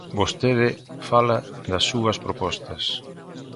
Vostede fala das súas propostas.